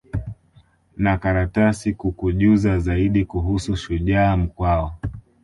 na karatasi kukujuza zaidi kuhusu shujaa mkwawa